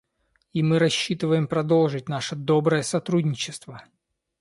И мы рассчитываем продолжить наше доброе сотрудничество.